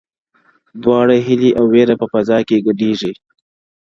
• دواړه هيلې او وېره په فضا کي ګډېږي,